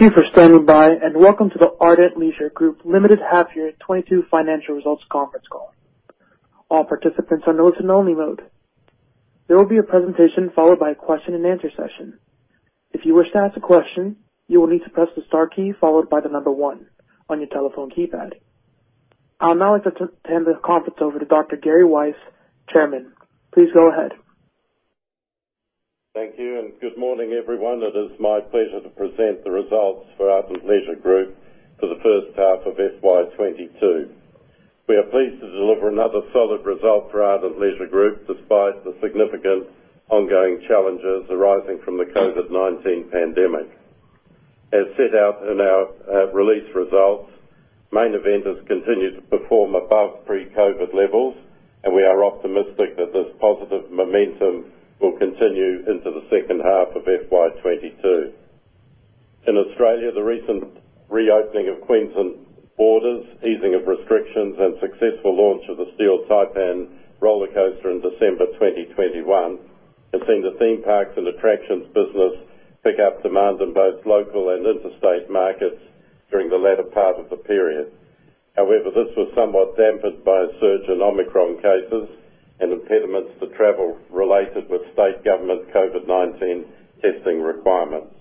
Thank you for standing by, and welcome to the Ardent Leisure Group Limited Half Year 2022 Financial Results Conference Call. All participants are in listen only mode. There will be a presentation followed by a question-and-answer session. If you wish to ask a question, you will need to press the star key followed by the number one on your telephone keypad. I'll now like to hand this conference over to Dr. Gary Weiss, Chairman. Please go ahead. Thank you, and good morning, everyone. It is my pleasure to present the results for Ardent Leisure Group for the first half of FY 2022. We are pleased to deliver another solid result for Ardent Leisure Group despite the significant ongoing challenges arising from the COVID-19 pandemic. As set out in our release results, Main Event has continued to perform above pre-COVID levels, and we are optimistic that this positive momentum will continue into the second half of FY 2022. In Australia, the recent reopening of Queensland borders, easing of restrictions and successful launch of the Steel Taipan roller coaster in December 2021 has seen the theme parks and attractions business pick up demand in both local and interstate markets during the latter part of the period. However, this was somewhat dampened by a surge in Omicron cases and impediments to travel related with state government COVID-19 testing requirements.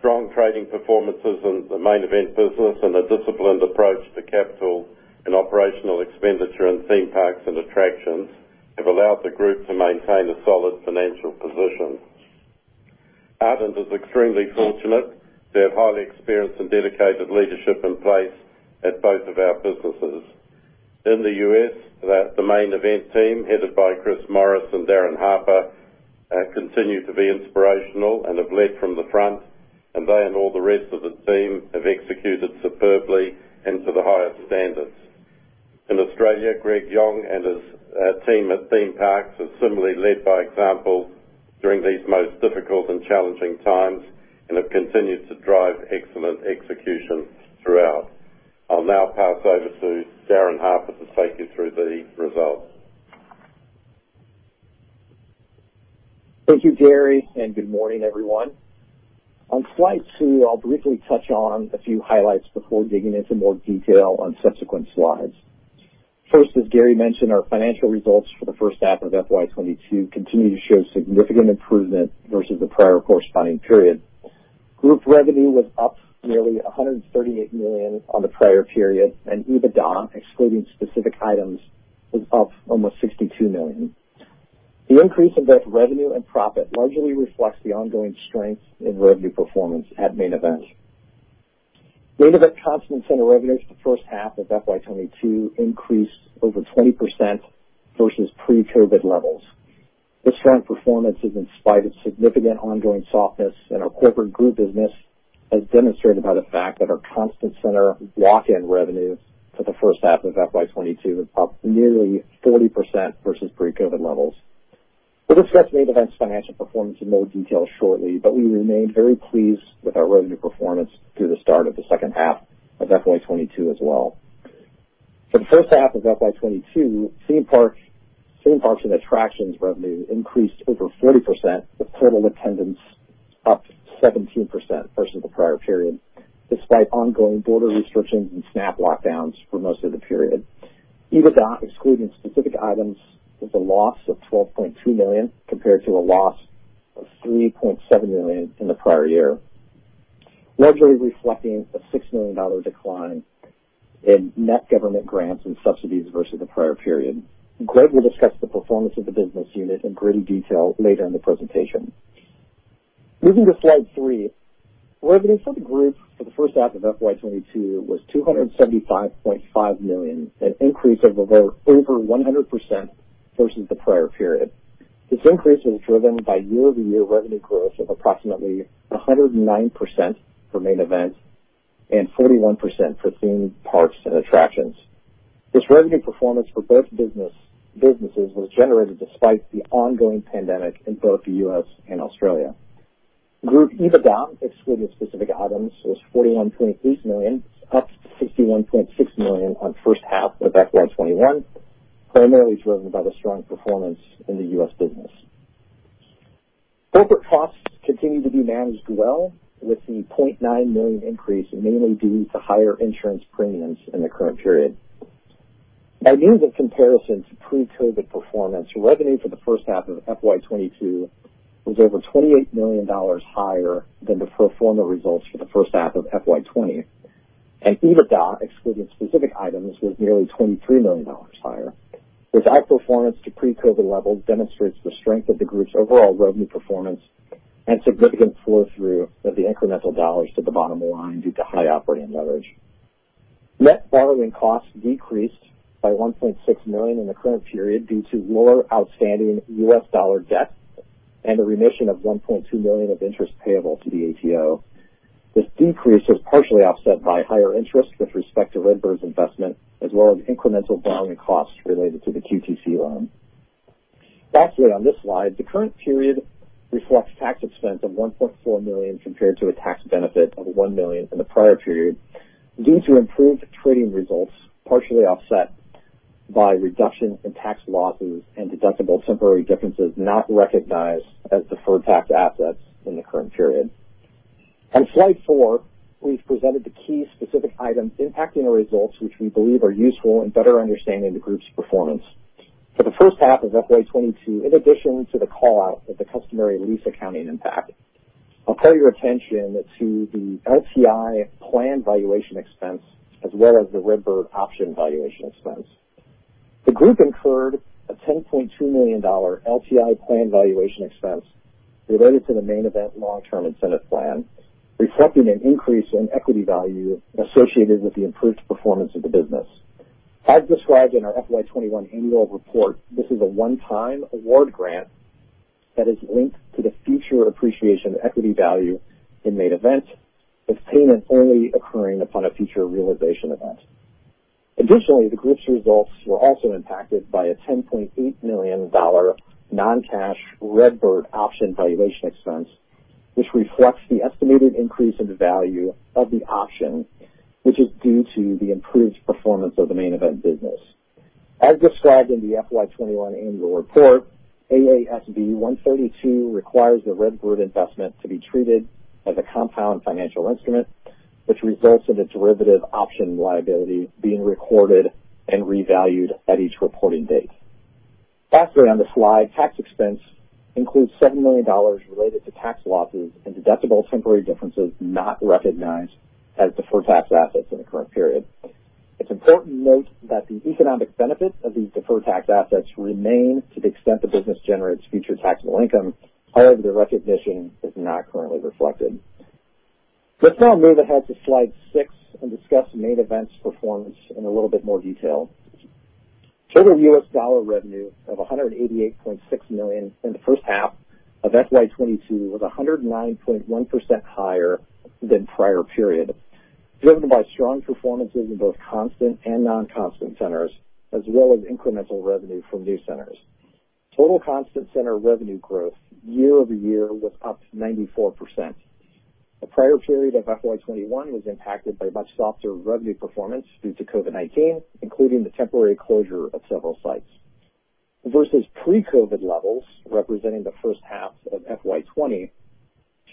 Strong trading performances in the Main Event business and a disciplined approach to capital and operational expenditure in theme parks and attractions have allowed the group to maintain a solid financial position. Ardent is extremely fortunate to have highly experienced and dedicated leadership in place at both of our businesses. In the U.S., the Main Event team, headed by Chris Morris and Darin Harper, continue to be inspirational and have led from the front, and they and all the rest of the team have executed superbly and to the highest standards. In Australia, Greg Yong and his team at Theme Parks have similarly led by example during these most difficult and challenging times and have continued to drive excellent execution throughout. I'll now pass over to Darin Harper to take you through the results. Thank you, Gary, and good morning, everyone. On slide 2, I'll briefly touch on a few highlights before digging into more detail on subsequent slides. First, as Gary mentioned, our financial results for the first half of FY 2022 continue to show significant improvement versus the prior corresponding period. Group revenue was up nearly 138 million on the prior period, and EBITDA, excluding specific items, was up almost 62 million. The increase in both revenue and profit largely reflects the ongoing strength in revenue performance at Main Event. Main Event constant center revenues for first half of FY 2022 increased over 20% versus pre-COVID levels. This strong performance is in spite of significant ongoing softness in our corporate group business, as demonstrated by the fact that our constant center walk-in revenue for the first half of FY 2022 was up nearly 40% versus pre-COVID levels. We'll discuss Main Event's financial performance in more detail shortly, but we remain very pleased with our revenue performance through the start of the second half of FY 2022 as well. For the first half of FY 2022, theme parks and attractions revenue increased over 40%, with total attendance up 17% versus the prior period, despite ongoing border restrictions and snap lockdowns for most of the period. EBITDA, excluding specific items, was a loss of 12.2 million, compared to a loss of 3.7 million in the prior year, largely reflecting a 6 million dollar decline in net government grants and subsidies versus the prior period. Greg will discuss the performance of the business unit in greater detail later in the presentation. Moving to slide 3. Revenue for the group for the first half of FY 2022 was 275.5 million, an increase of over one hundred versus the prior period. This increase was driven by year-over-year revenue growth of approximately 109% for Main Event and 41% for theme parks and attractions. This revenue performance for both businesses was generated despite the ongoing pandemic in both the U.S. and Australia. Group EBITDA, excluding specific items, was 41.3 million, up from 61.6 million in first half of FY 2021, primarily driven by the strong performance in the U.S. business. Corporate costs continued to be managed well, with the 0.9 million increase mainly due to higher insurance premiums in the current period. By year of comparison to pre-COVID performance, revenue for the first half of FY 2022 was over 28 million dollars higher than the pro forma results for the first half of FY 2020. EBITDA, excluding specific items, was nearly 23 million dollars higher. This outperformance to pre-COVID levels demonstrates the strength of the group's overall revenue performance and significant flow-through of the incremental dollars to the bottom line due to high operating leverage. Net borrowing costs decreased by 1.6 million in the current period due to lower outstanding US dollar debt and a remission of 1.2 million of interest payable to the ATO. This decrease was partially offset by higher interest with respect to RedBird's investment, as well as incremental borrowing costs related to the QTC loan. Lastly, on this slide, the current period reflects tax expense of 1.4 million compared to a tax benefit of 1 million in the prior period, due to improved trading results, partially offset by reduction in tax losses and deductible temporary differences not recognized as deferred tax assets in the current period. On slide 4, we've presented the key specific items impacting the results, which we believe are useful in better understanding the group's performance. For the first half of FY 2022, in addition to the call-out of the customary lease accounting impact, I'll call your attention to the LTI plan valuation expense as well as the RedBird option valuation expense. The group incurred a $10.2 million LTI plan valuation expense related to the Main Event long-term incentive plan, reflecting an increase in equity value associated with the improved performance of the business. As described in our FY 2021 annual report, this is a one-time award grant that is linked to the future appreciation equity value in Main Event, with payment only occurring upon a future realization event. Additionally, the group's results were also impacted by an 10.8 million dollar non-cash RedBird option valuation expense, which reflects the estimated increase in the value of the option, which is due to the improved performance of the Main Event business. As described in the FY 2021 annual report, AASB 132 requires the RedBird investment to be treated as a compound financial instrument, which results in a derivative option liability being recorded and revalued at each reporting date. Further on the slide, tax expense includes 7 million dollars related to tax losses and deductible temporary differences not recognized as deferred tax assets in the current period. It's important to note that the economic benefits of these deferred tax assets remain to the extent the business generates future taxable income, however, the recognition is not currently reflected. Let's now move ahead to slide six and discuss Main Event's performance in a little bit more detail. Total U.S. dollar revenue of $188.6 million in the first half of FY 2022 was 109.1% higher than prior period, driven by strong performances in both constant and non-constant centers, as well as incremental revenue from new centers. Total constant center revenue growth year-over-year was up 94%. The prior period of FY 2021 was impacted by much softer revenue performance due to COVID-19, including the temporary closure of several sites. Versus pre-COVID levels, representing the first half of FY 2020,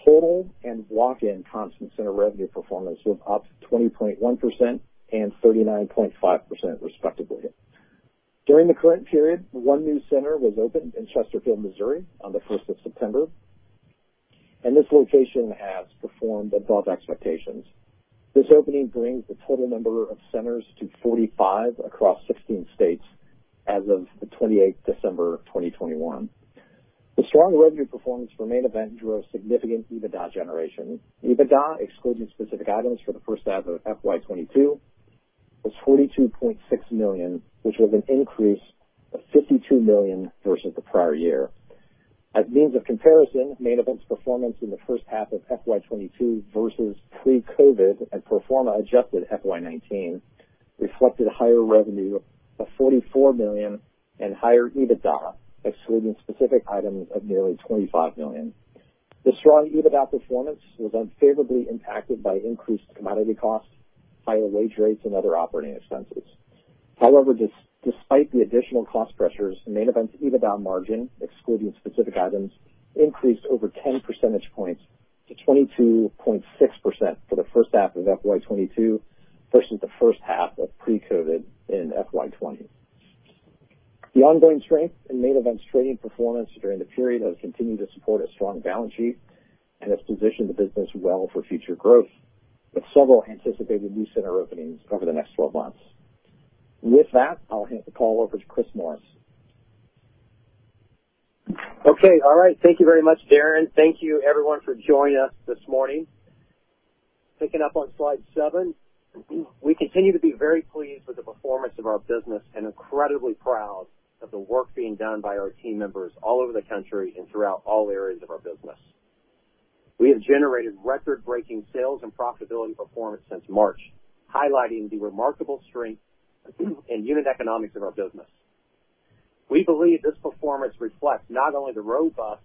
total and walk-in constant center revenue performance was up 20.1% and 39.5% respectively. During the current period, one new center was opened in Chesterfield, Missouri, on September 1, and this location has performed above expectations. This opening brings the total number of centers to 45 across 16 states as of 28 December 2021. The strong revenue performance for Main Event drove significant EBITDA generation. EBITDA, excluding specific items for the first half of FY 2022, was $42.6 million, which was an increase of $52 million versus the prior year. As means of comparison, Main Event's performance in the first half of FY 2022 versus pre-COVID and pro forma adjusted FY 2019 reflected higher revenue of $44 million and higher EBITDA, excluding specific items, of nearly $25 million. The strong EBITDA performance was unfavorably impacted by increased commodity costs, higher wage rates, and other operating expenses. However, despite the additional cost pressures, Main Event's EBITDA margin, excluding specific items, increased over 10 percentage points to 22.6% for the first half of FY 2022 versus the first half of pre-COVID in FY 2020. The ongoing strength in Main Event's trading performance during the period has continued to support a strong balance sheet and has positioned the business well for future growth, with several anticipated new center openings over the next 12 months. With that, I'll hand the call over to Chris Morris. Okay. All right. Thank you very much, Darin. Thank you everyone for joining us this morning. Picking up on slide seven, we continue to be very pleased with the performance of our business and incredibly proud of the work being done by our team members all over the country and throughout all areas of our business. We have generated record-breaking sales and profitability performance since March, highlighting the remarkable strength and unit economics of our business. We believe this performance reflects not only the robust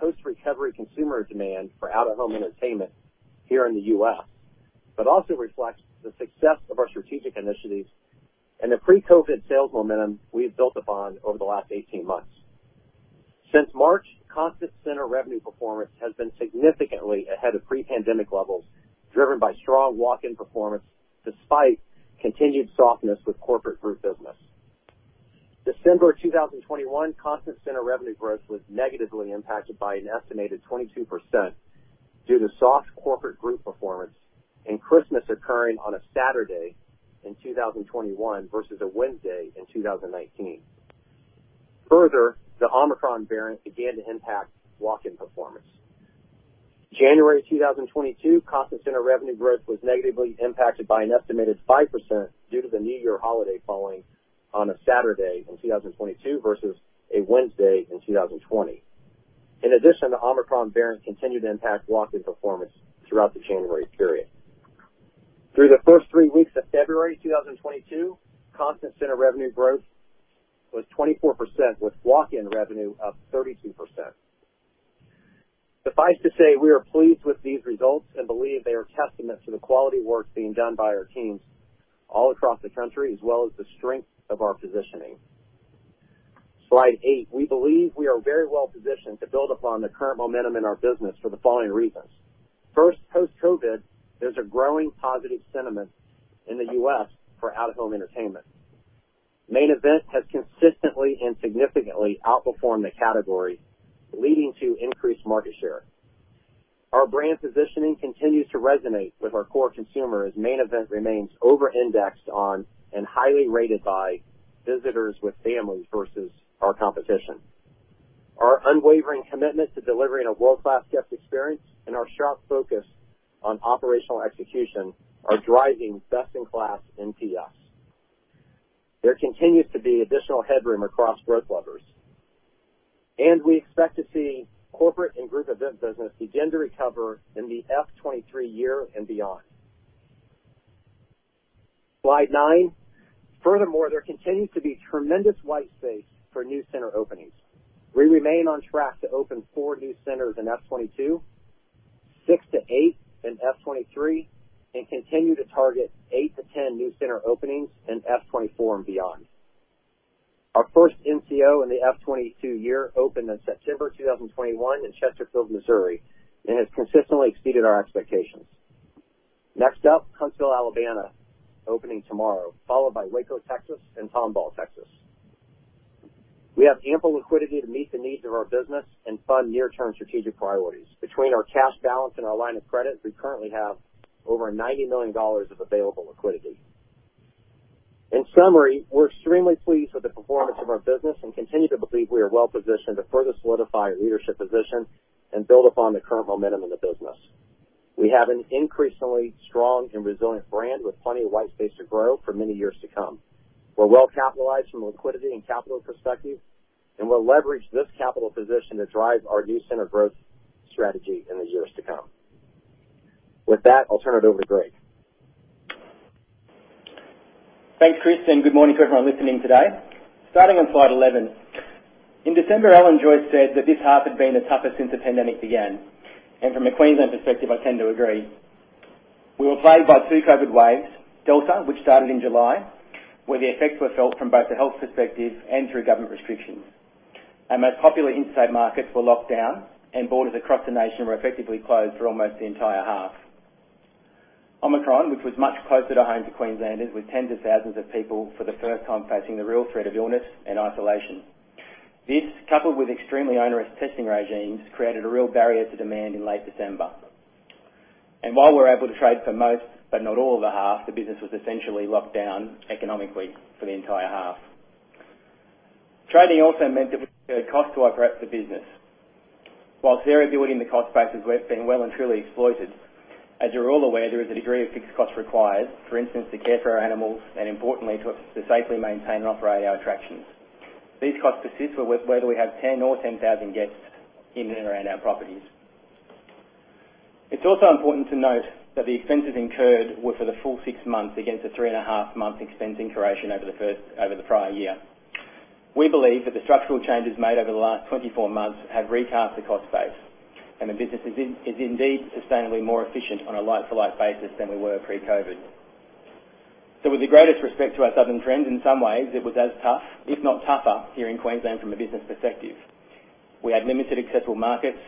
post-recovery consumer demand for out-of-home entertainment here in the U.S., but also reflects the success of our strategic initiatives and the pre-COVID sales momentum we have built upon over the last 18 months. Since March, constant center revenue performance has been significantly ahead of pre-pandemic levels, driven by strong walk-in performance despite continued softness with corporate group business. December 2021 constant currency revenue growth was negatively impacted by an estimated 22% due to soft corporate group performance and Christmas occurring on a Saturday in 2021 versus a Wednesday in 2019. Further, the Omicron variant began to impact walk-in performance. January 2022 constant currency revenue growth was negatively impacted by an estimated 5% due to the New Year holiday falling on a Saturday in 2022 versus a Wednesday in 2020. In addition, the Omicron variant continued to impact walk-in performance throughout the January period. Through the first three weeks of February 2022, constant center revenue growth was 24%, with walk-in revenue up 32%. Suffice to say, we are pleased with these results and believe they are testament to the quality work being done by our teams all across the country, as well as the strength of our positioning. Slide 8. We believe we are very well positioned to build upon the current momentum in our business for the following reasons. First, post-COVID, there's a growing positive sentiment in the U.S. for out-of-home entertainment. Main Event has consistently and significantly outperformed the category, leading to increased market share. Our brand positioning continues to resonate with our core consumer, as Main Event remains over-indexed on and highly rated by visitors with families versus our competition. Our unwavering commitment to delivering a world-class guest experience and our sharp focus on operational execution are driving best-in-class NPS. There continues to be additional headroom across growth levers, and we expect to see corporate and group event business begin to recover in the FY 2023 year and beyond. Slide 9. Furthermore, there continues to be tremendous white space for new center openings. We remain on track to open 4 new centers in FY 2022, 6-8 in FY 2023, and continue to target 8-10 new center openings in FY 2024 and beyond. Our first NCO in the FY 2022 year opened in September 2021 in Chesterfield, Missouri, and has consistently exceeded our expectations. Next up, Huntsville, Alabama, opening tomorrow, followed by Waco, Texas, and Tomball, Texas. We have ample liquidity to meet the needs of our business and fund near-term strategic priorities. Between our cash balance and our line of credit, we currently have over $90 million of available liquidity. In summary, we're extremely pleased with the performance of our business and continue to believe we are well positioned to further solidify our leadership position and build upon the current momentum in the business. We have an increasingly strong and resilient brand with plenty of white space to grow for many years to come. We're well capitalized from a liquidity and capital perspective, and we'll leverage this capital position to drive our new center growth strategy in the years to come. With that, I'll turn it over to Greg. Thanks, Chris, and good morning to everyone listening today. Starting on slide 11. In December, Alan Joyce said that this half had been the toughest since the pandemic began. From a Queensland perspective, I tend to agree. We were plagued by two COVID waves, Delta, which started in July, where the effects were felt from both a health perspective and through government restrictions. Our most popular interstate markets were locked down and borders across the nation were effectively closed for almost the entire half. Omicron, which was much closer to home to Queenslanders, with tens of thousands of people for the first time facing the real threat of illness and isolation. This, coupled with extremely onerous testing regimes, created a real barrier to demand in late December. While we were able to trade for most, but not all of the half, the business was essentially locked down economically for the entire half. Trading also meant that we incurred cost to operate the business. While variability in the cost base has been well and truly exploited, as you're all aware, there is a degree of fixed cost required, for instance, to care for our animals and importantly, to safely maintain and operate our attractions. These costs persist whether we have 10 or 10,000 guests in and around our properties. It's also important to note that the expenses incurred were for the full six months against the three and a half month expense incurrence over the prior year. We believe that the structural changes made over the last 24 months have recast the cost base, and the business is indeed sustainably more efficient on a like-for-like basis than we were pre-COVID. With the greatest respect to our southern friends, in some ways, it was as tough, if not tougher, here in Queensland from a business perspective. We had limited accessible markets.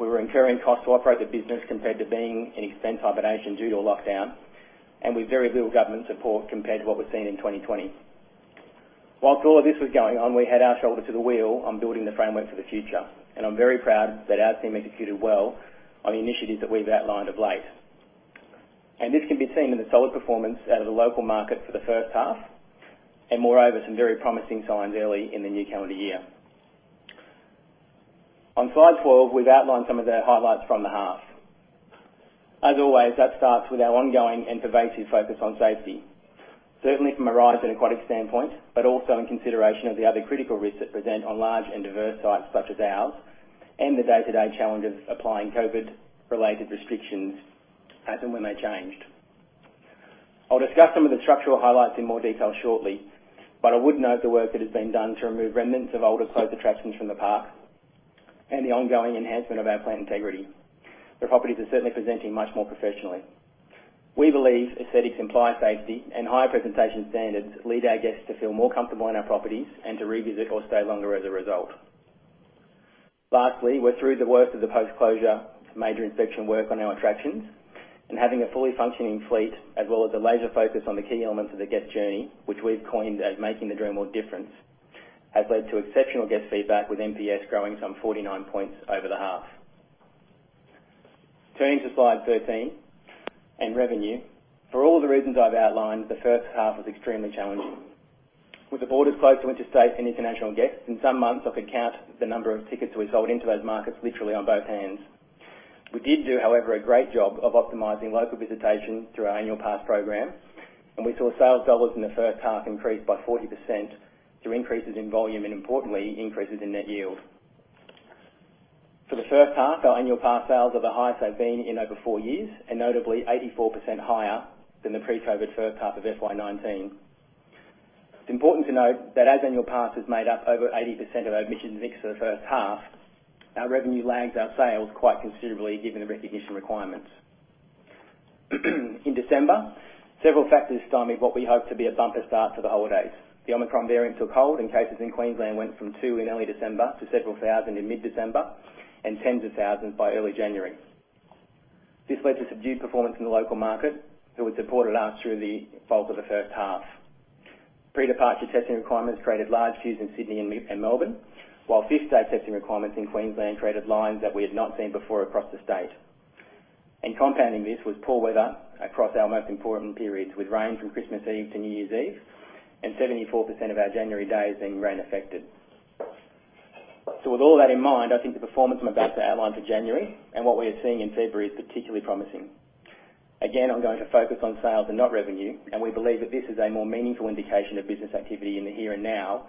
We were incurring cost to operate the business compared to being in expense hibernation due to lockdown, and with very little government support compared to what we've seen in 2020. While all of this was going on, we had our shoulder to the wheel on building the framework for the future, and I'm very proud that our team executed well on the initiatives that we've outlined of late. This can be seen in the solid performance out of the local market for the first half, and moreover, some very promising signs early in the new calendar year. On slide 12, we've outlined some of the highlights from the half. As always, that starts with our ongoing and pervasive focus on safety. Certainly from a rides and aquatic standpoint, but also in consideration of the other critical risks that present on large and diverse sites such as ours, and the day-to-day challenges applying COVID-related restrictions as and when they changed. I'll discuss some of the structural highlights in more detail shortly, but I would note the work that has been done to remove remnants of older closed attractions from the park and the ongoing enhancement of our plant integrity. The properties are certainly presenting much more professionally. We believe aesthetics imply safety and higher presentation standards lead our guests to feel more comfortable in our properties and to revisit or stay longer as a result. Lastly, we're through the worst of the post-closure major inspection work on our attractions and having a fully functioning fleet, as well as a laser focus on the key elements of the guest journey, which we've coined as Making the Dreamworld Difference, has led to exceptional guest feedback with NPS growing some 49 points over the half. Turning to slide 13 and revenue. For all the reasons I've outlined, the first half was extremely challenging. With the borders closed to interstate and international guests, in some months, I could count the number of tickets we sold into those markets literally on both hands. We did do, however, a great job of optimizing local visitation through our annual pass program, and we saw sales dollars in the first half increase by 40% through increases in volume and importantly, increases in net yield. For the first half, our annual pass sales are the highest they've been in over four years, and notably 84% higher than the pre-COVID first half of FY 2019. It's important to note that as annual pass has made up over 80% of our admissions mix for the first half, our revenue lags our sales quite considerably given the recognition requirements. In December, several factors stymied what we hoped to be a bumper start to the holidays. The Omicron variant took hold, and cases in Queensland went from 2 in early December to several thousand in mid-December and tens of thousands by early January. This led to subdued performance in the local market that would support us through the bulk of the first half. Pre-departure testing requirements created large queues in Sydney and Melbourne, while fifth-day testing requirements in Queensland created lines that we had not seen before across the state. Compounding this was poor weather across our most important periods, with rain from Christmas Eve to New Year's Eve and 74% of our January days being rain-affected. With all that in mind, I think the performance from about the outline for January and what we are seeing in February is particularly promising. Again, I'm going to focus on sales and not revenue, and we believe that this is a more meaningful indication of business activity in the here and now,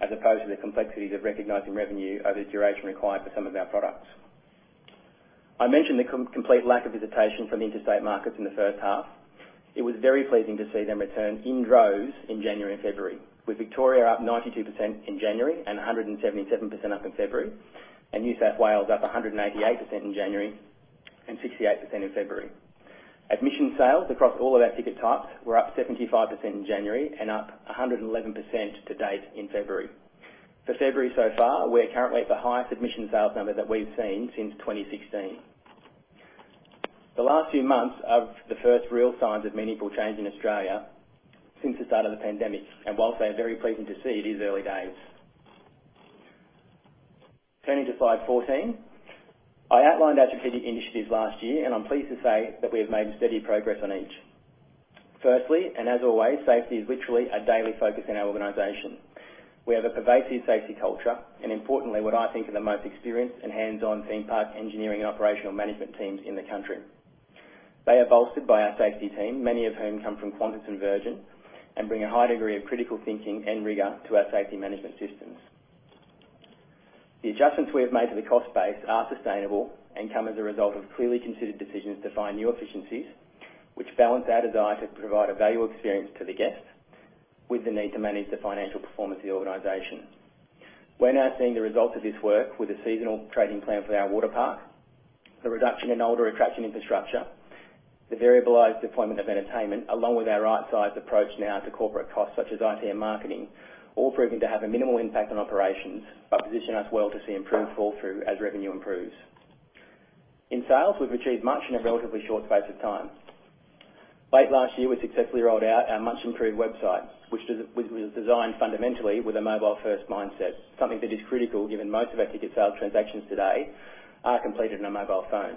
as opposed to the complexities of recognizing revenue over the duration required for some of our products. I mentioned the complete lack of visitation from the interstate markets in the first half. It was very pleasing to see them return in droves in January and February, with Victoria up 92% in January and 177% up in February, and New South Wales up 188% in January and 68% in February. Admission sales across all of our ticket types were up 75% in January and up 111% to date in February. For February so far, we're currently at the highest admission sales number that we've seen since 2016. The last few months are the first real signs of meaningful change in Australia since the start of the pandemic, and while they are very pleasing to see, it is early days. Turning to slide 14. I outlined our strategic initiatives last year, and I'm pleased to say that we have made steady progress on each. Firstly, and as always, safety is literally a daily focus in our organization. We have a pervasive safety culture and importantly, what I think are the most experienced and hands-on theme park engineering operational management teams in the country. They are bolstered by our safety team, many of whom come from Qantas and Virgin, and bring a high degree of critical thinking and rigor to our safety management systems. The adjustments we have made to the cost base are sustainable and come as a result of clearly considered decisions to find new efficiencies, which balance our desire to provide a valuable experience to the guests with the need to manage the financial performance of the organization. We're now seeing the results of this work with a seasonal trading plan for our water park, the reduction in older attraction infrastructure, the variabilized deployment of entertainment, along with our right-sized approach now to corporate costs such as IT and marketing, all proving to have a minimal impact on operations, but position us well to see improved fall through as revenue improves. In sales, we've achieved much in a relatively short space of time. Late last year, we successfully rolled out our much-improved website, which was designed fundamentally with a mobile-first mindset, something that is critical given most of our ticket sales transactions today are completed on a mobile phone.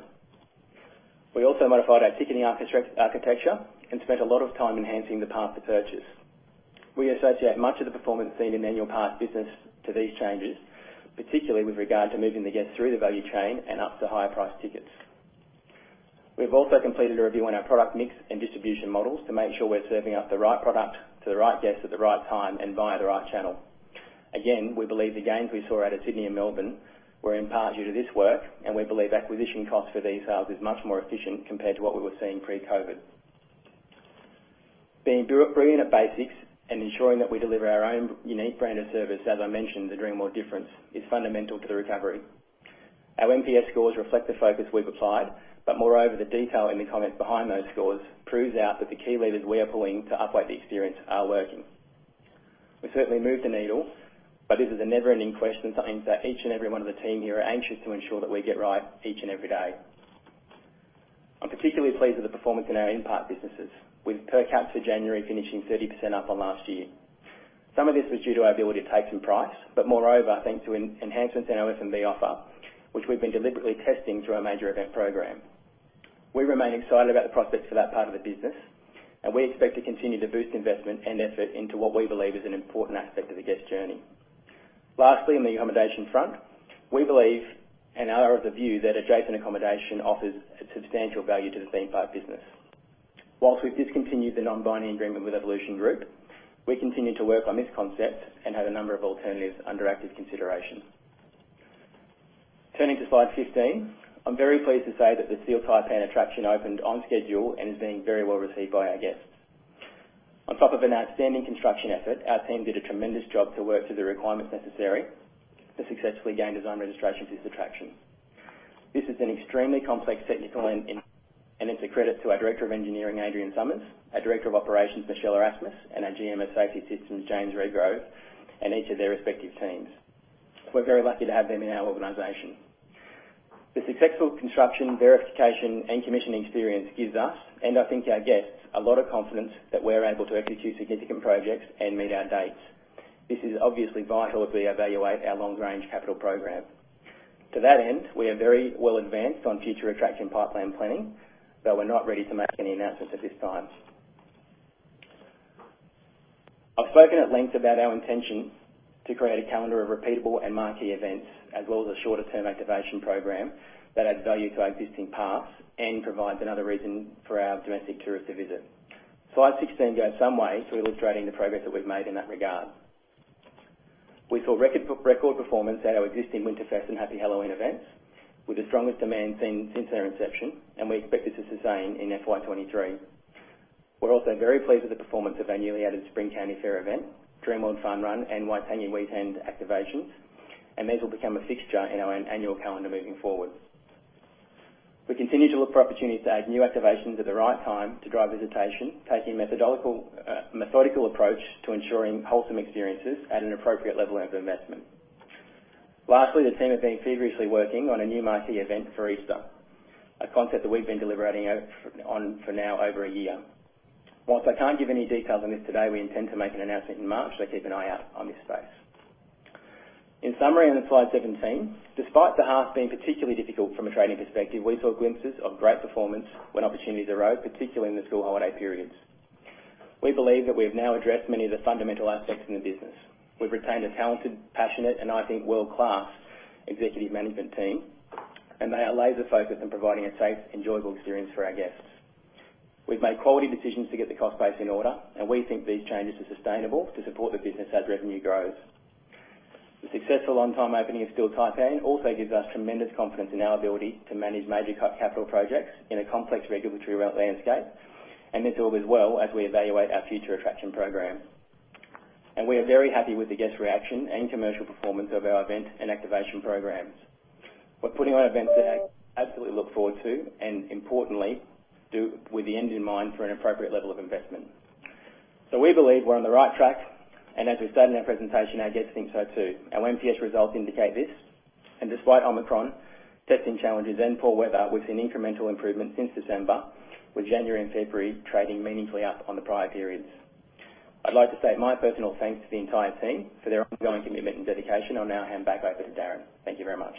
We also modified our ticketing architecture and spent a lot of time enhancing the path to purchase. We associate much of the performance seen in annual pass business to these changes, particularly with regard to moving the guest through the value chain and up to higher priced tickets. We've also completed a review on our product mix and distribution models to make sure we're serving up the right product to the right guest at the right time and via the right channel. Again, we believe the gains we saw out of Sydney and Melbourne were in part due to this work, and we believe acquisition costs for these sales is much more efficient compared to what we were seeing pre-COVID. Being brilliant at basics and ensuring that we deliver our own unique brand of service, as I mentioned, the Dreamworld difference, is fundamental to the recovery. Our NPS scores reflect the focus we've applied, but moreover, the detail in the comments behind those scores proves out that the key levers we are pulling to upweight the experience are working. We certainly moved the needle, but this is a never-ending question, something that each and every one of the team here are anxious to ensure that we get right each and every day. I'm particularly pleased with the performance in our in-park businesses with per capita January finishing 30% up on last year. Some of this was due to our ability to take some price, but moreover, thanks to enhancements in our F&B offer, which we've been deliberately testing through our major event program. We remain excited about the prospects for that part of the business, and we expect to continue to boost investment and effort into what we believe is an important aspect of the guest journey. Lastly, on the accommodation front, we believe and are of the view that adjacent accommodation offers a substantial value to the theme park business. While we've discontinued the non-binding agreement with Evolution Group, we continue to work on this concept and have a number of alternatives under active consideration. Turning to slide 15, I'm very pleased to say that the Steel Taipan attraction opened on schedule and is being very well received by our guests. On top of an outstanding construction effort, our team did a tremendous job to work through the requirements necessary to successfully gain design registration for this attraction. This is an extremely complex technical and it's a credit to our Director of Engineering, Adrian Summers, our Director of Operations, Michelle Erasmus, and our GM of Safety Systems, James Redgrove, and each of their respective teams. We're very lucky to have them in our organization. The successful construction, verification, and commissioning experience gives us, and I think our guests, a lot of confidence that we're able to execute significant projects and meet our dates. This is obviously vital as we evaluate our long-range capital program. To that end, we are very well advanced on future attraction pipeline planning, but we're not ready to make any announcements at this time. I've spoken at length about our intention to create a calendar of repeatable and marquee events, as well as a shorter-term activation program that adds value to our existing parks and provides another reason for our domestic tourists to visit. Slide 16 goes some way to illustrating the progress that we've made in that regard. We saw record performance at our existing Winterfest and Happy Halloween events, with the strongest demand seen since their inception, and we expect this to sustain in FY 2023. We're also very pleased with the performance of our newly added Spring County Fair event, Dreamworld Fun Run, and Waitangi Weekend activations, and these will become a fixture in our annual calendar moving forward. We continue to look for opportunities to add new activations at the right time to drive visitation, taking methodical approach to ensuring wholesome experiences at an appropriate level of investment. Lastly, the team have been feverishly working on a new marquee event for Easter, a concept that we've been deliberating on for over a year now. While I can't give any details on this today, we intend to make an announcement in March, so keep an eye out on this space. In summary, on the slide 17, despite the half being particularly difficult from a trading perspective, we saw glimpses of great performance when opportunities arose, particularly in the school holiday periods. We believe that we have now addressed many of the fundamental aspects in the business. We've retained a talented, passionate, and I think world-class executive management team, and they are laser focused on providing a safe, enjoyable experience for our guests. We've made quality decisions to get the cost base in order, and we think these changes are sustainable to support the business as revenue grows. The successful on-time opening of Steel Taipan also gives us tremendous confidence in our ability to manage major capital projects in a complex regulatory landscape, and this bodes well as we evaluate our future attraction program. We are very happy with the guest reaction and commercial performance of our event and activation programs. We're putting on events that our guests absolutely look forward to, and importantly do with the end in mind for an appropriate level of investment. We believe we're on the right track, and as we stated in our presentation, our guests think so too. Our NPS results indicate this, and despite Omicron, testing challenges and poor weather, we've seen incremental improvements since December with January and February trading meaningfully up on the prior periods. I'd like to say my personal thanks to the entire team for their ongoing commitment and dedication. I'll now hand back over to Darin. Thank you very much.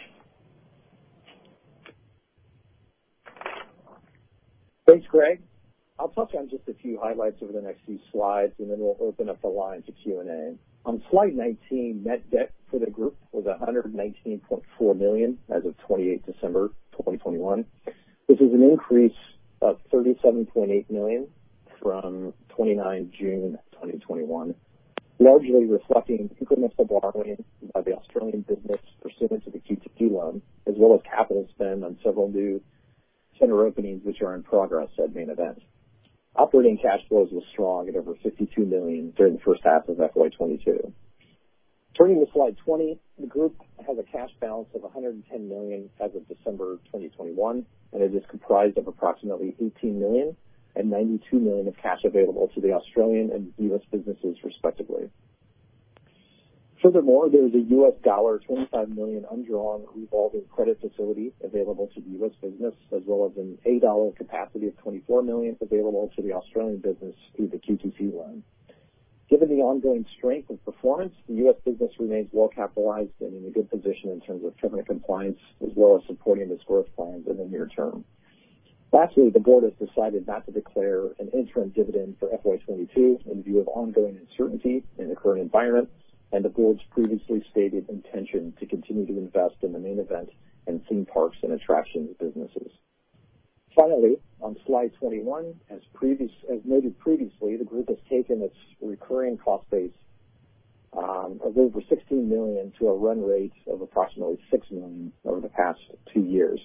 Thanks, Greg. I'll touch on just a few highlights over the next few slides, and then we'll open up the line to Q&A. On slide 19, net debt for the group was 119.4 million as of 28 December 2021. This is an increase of 37.8 million from 29 June 2021, largely reflecting incremental borrowing by the Australian business pursuant to the QTC loan, as well as capital spend on several new center openings which are in progress at Main Event. Operating cash flows were strong at over 52 million during the first half of FY 2022. Turning to slide 20, the group has a cash balance of 110 million as of December 2021, and it is comprised of approximately 18 million and $92 million of cash available to the Australian and US businesses respectively. Furthermore, there is a $25 million undrawn revolving credit facility available to the U.S. business, as well as an 24 million capacity available to the Australian business through the QTC loan. Given the ongoing strength and performance, the U.S. business remains well capitalized and in a good position in terms of covenant compliance as well as supporting its growth plans in the near term. Lastly, the board has decided not to declare an interim dividend for FY 2022 in view of ongoing uncertainty in the current environment and the board's previously stated intention to continue to invest in the Main Event and theme parks and attractions businesses. Finally, on slide 21, as noted previously, the group has taken its recurring cost base of over 16 million to a run rate of approximately 6 million over the past two years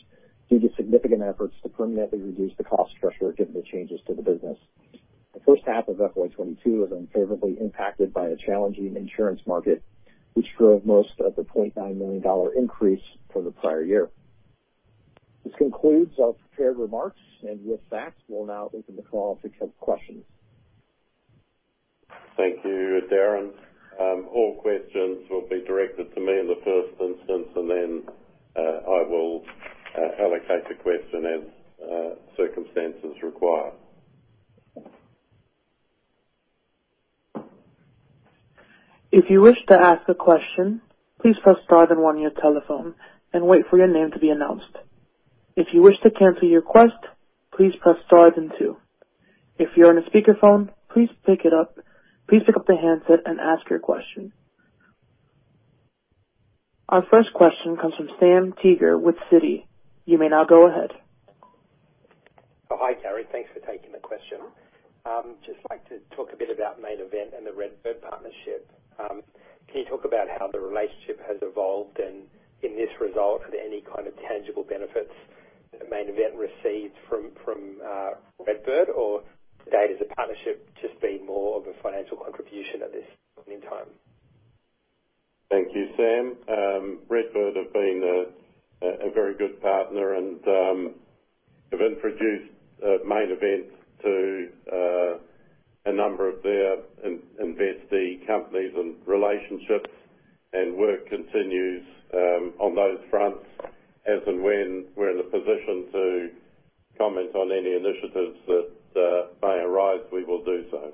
due to significant efforts to permanently reduce the cost structure given the changes to the business. The first half of FY 2022 was unfavorably impacted by a challenging insurance market, which drove most of the 0.9 million dollar increase from the prior year. This concludes our prepared remarks, and with that, we'll now open the call to take questions. Thank you, Darin. All questions will be directed to me in the first instance, and then I will allocate the question as circumstances require. Our first question comes from Sam Teeger with Citi. You may now go ahead. Oh, hi, Gary. Thanks for taking the question. Just like to talk a bit about Main Event and the RedBird partnership. Can you talk about how the relationship has evolved? In this result, are there any kind of tangible benefits that Main Event receives from RedBird? To date, has the partnership just been more of a financial contribution at this point in time? Thank you, Sam. RedBird have been a very good partner and have introduced Main Event to a number of their investee companies and relationships and work continues on those fronts. As and when we're in a position to comment on any initiatives that may arise, we will do so.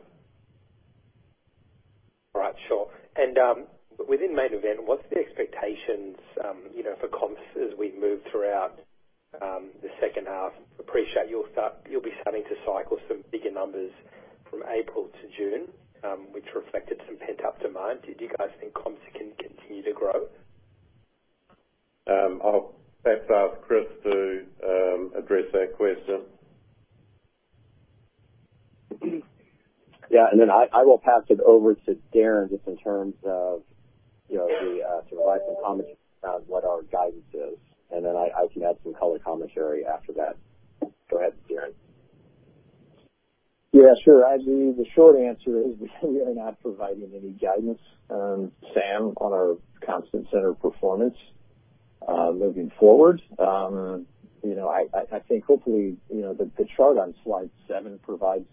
All right. Sure. Within Main Event, what's the expectations, you know, for comps as we move throughout the second half? Appreciate you'll be starting to cycle some bigger numbers from April to June, which reflected some pent-up demand. Do you guys think comps can continue to grow? I'll best ask Chris to address that question. Yeah. Then I will pass it over to Darin just in terms of, you know, the to provide some commentary on what our guidance is, and then I can add some color commentary after that. Go ahead, Darin. Yeah, sure. I believe the short answer is we are not providing any guidance, Sam, on our centers performance moving forward. You know, I think hopefully, you know, the chart on slide seven provides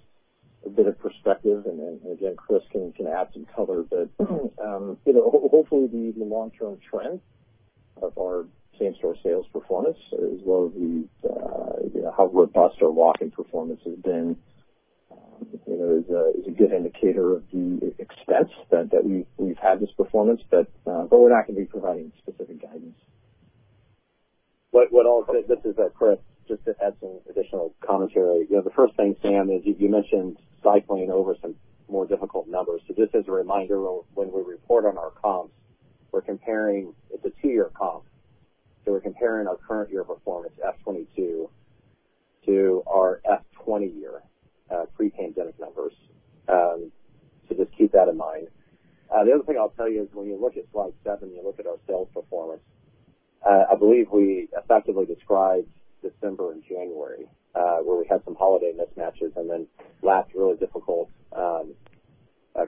a bit of perspective, and then again, Chris can add some color. But you know, hopefully the long-term trend of our same-store sales performance, as well as you know, how robust our walk-in performance has been, you know, is a good indicator of the extent that we've had this performance. But we're not gonna be providing specific guidance. This is Chris, just to add some additional commentary. You know, the first thing, Sam, is you mentioned cycling over some more difficult numbers. Just as a reminder, when we report on our comps, we're comparing. It's a two-year comp, so we're comparing our current year performance, FY 2022, to our FY 2020 year, pre-pandemic numbers. Just keep that in mind. The other thing I'll tell you is when you look at slide 7, you look at our sales performance, I believe we effectively described December and January, where we had some holiday mismatches and then had really difficult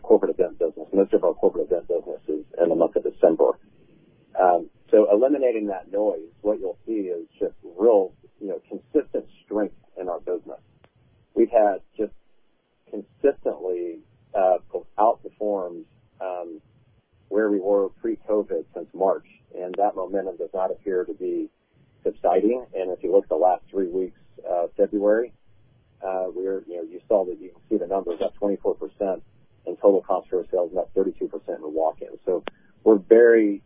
corporate event business. Most of our corporate event business is in the month of December. Eliminating that noise, what you'll see is just real, you know, consistent strength in our business. We've had just consistently outperformed where we were pre-COVID since March, and that momentum does not appear to be subsiding. If you look at the last three weeks of February, we're, you know, you can see the numbers up 24% and total comp store sales are up 32% for walk-ins. We're very,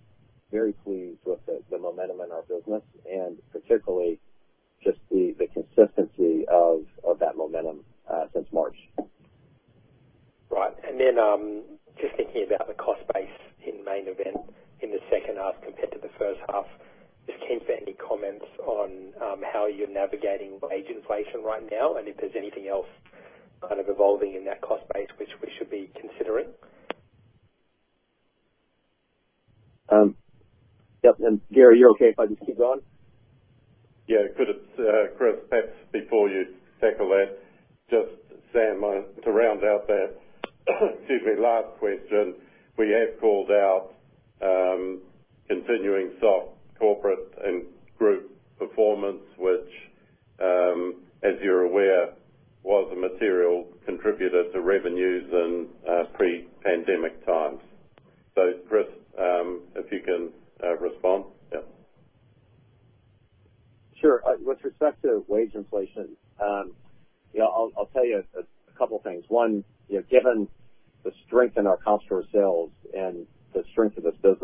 very pleased with the momentum in our business, and particularly just the consistency of that momentum since March. Right. Just thinking about the cost base in Main Event in the second half compared to the first half, just keen for any comments on how you're navigating wage inflation right now and if there's anything else kind of evolving in that cost base which we should be considering? Yep. Gary, you're okay if I just keep going? Yeah. Good. It's Chris, perhaps before you tackle that, just Sam, to round out that, excuse me, last question. We have called out continuing soft corporate and group performance, which, as you're aware, was a material contributor to revenues in pre-pandemic times. Chris, if you can, respond. Yeah. Sure. With respect to wage inflation, you know, I'll tell you a couple things. One, you know, given the strength in our comp store sales and the strength of this business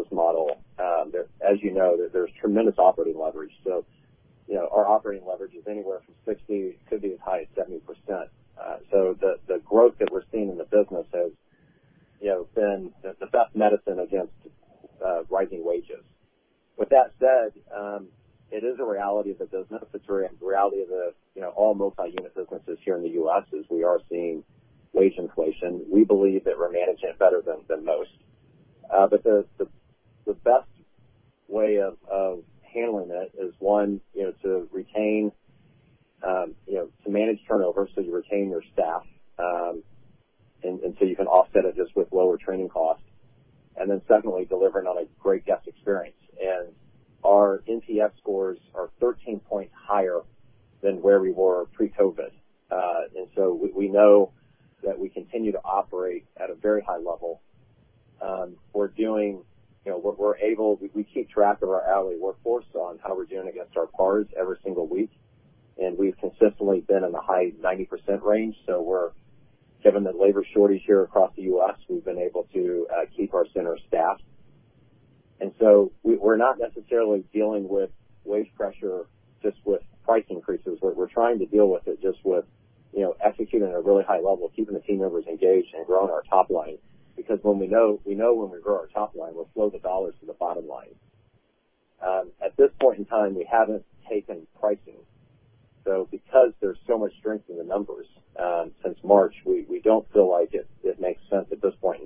it makes sense at this point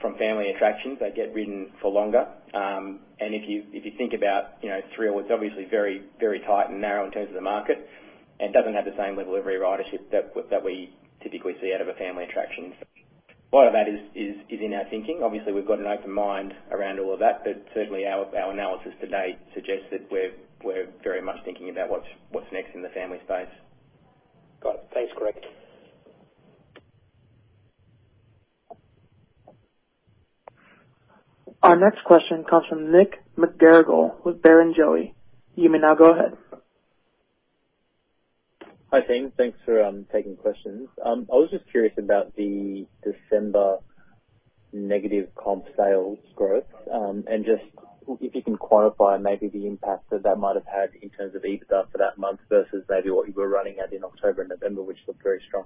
from family attractions. They get ridden for longer. If you think about, you know, thrill, it's obviously very, very tight and narrow in terms of the market and doesn't have the same level of re-ridership that we typically see out of a family attraction. A lot of that is in our thinking. Obviously, we've got an open mind around all of that, but certainly our analysis to date suggests that we're very much thinking about what's next in the family space. Got it. Thanks, Greg. Our next question comes from Nick McGarrigle with Barrenjoey. You may now go ahead. Hi, team. Thanks for taking questions. I was just curious about the December negative comp sales growth, and just if you can quantify maybe the impact that that might have had in terms of EBITDA for that month versus maybe what you were running at in October and November, which looked very strong.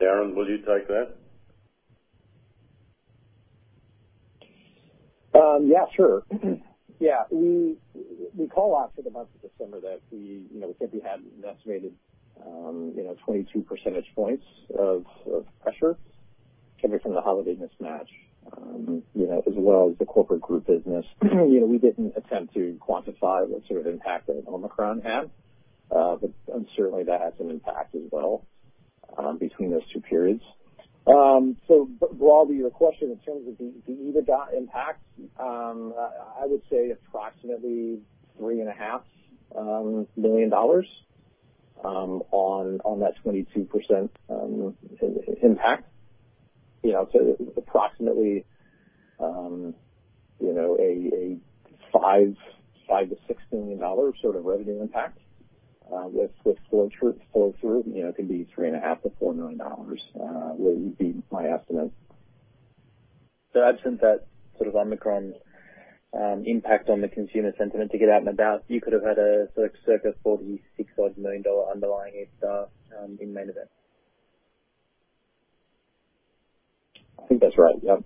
Darin, will you take that? Yeah, sure. Yeah. We call out for the month of December that we simply had an estimated 22 percentage points of pressure coming from the holiday mismatch, you know, as well as the corporate group business. You know, we didn't attempt to quantify what sort of impact that Omicron had. But certainly that had some impact as well between those two periods. Broadly, your question in terms of the EBITDA impact, I would say approximately 3.5 million dollars on that 22% impact. You know, approximately a 5 million-6 million dollar sort of revenue impact with flow through. You know, it could be three and a half million dollars to AUD four million, would be my estimate. Absent that sort of Omicron impact on the consumer sentiment to get out and about, you could have had a sort of circa 46 odd million dollar underlying EBITDA in Mandurah. I think that's right, yeah.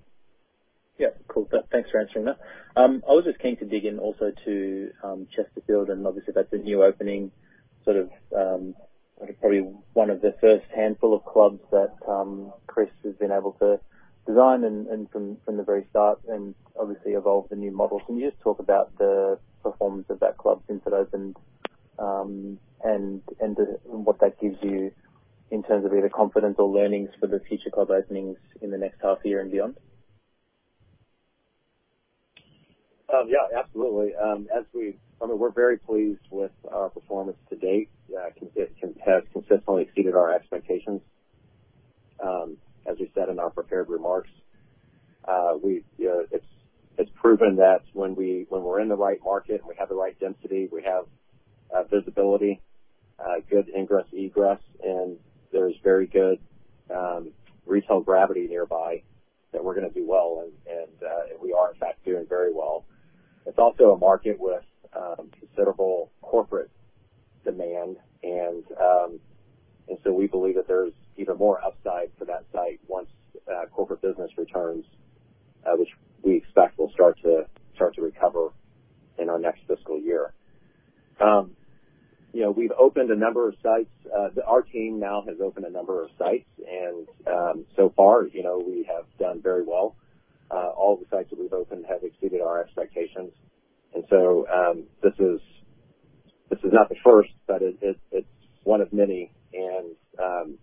Yeah. Cool. Thanks for answering that. I was just keen to dig in also to Chesterfield, and obviously that's a new opening, sort of, probably one of the first handful of clubs that Chris has been able to design and from the very start and obviously evolve the new model. Can you just talk about the performance of that club since it opened, and what that gives you in terms of either confidence or learnings for the future club openings in the next half year and beyond? Yeah, absolutely. I mean, we're very pleased with our performance to date. It has consistently exceeded our expectations. As we said in our prepared remarks, it's proven that when we're in the right market, and we have the right density, we have visibility, good ingress, egress, and there's very good retail gravity nearby, that we're gonna do well. We are in fact doing very well. It's also a market with considerable corporate demand. So we believe that there's even more upside for that site once corporate business returns, which we expect will start to recover in our next fiscal year. You know, we've opened a number of sites. Our team now has opened a number of sites, and so far, you know, we have done very well. All the sites that we've opened have exceeded our expectations. This is not the first, but it's one of many, and